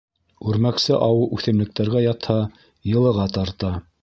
Үрмәксе ауы үҫемлектәргә ятһа, йылыға тарта.